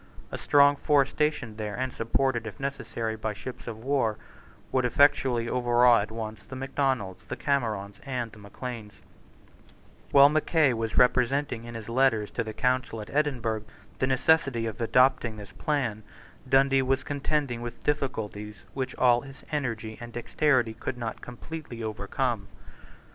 A strong force stationed there, and supported, if necessary, by ships of war, would effectually overawe at once the Macdonalds, the Camerons, and the Macleans, While Mackay was representing in his letters to the council at Edinburgh the necessity of adopting this plan, Dundee was contending with difficulties which all his energy and dexterity could not completely overcome.